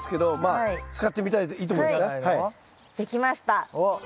できました。